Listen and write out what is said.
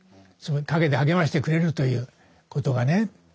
陰で励ましてくれるということがね。